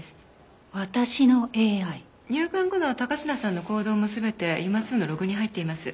入館後の高階さんの行動も全てＵＭＡ−Ⅱのログに入っています。